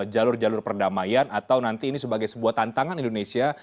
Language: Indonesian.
jalur jalur perdamaian atau nanti ini sebagai sebuah tantangan indonesia